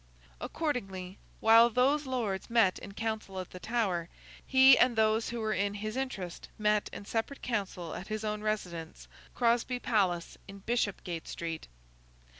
Accordingly, while those lords met in council at the Tower, he and those who were in his interest met in separate council at his own residence, Crosby Palace, in Bishopsgate Street.